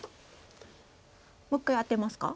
もう一回アテますか？